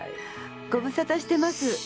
ご無沙汰してます。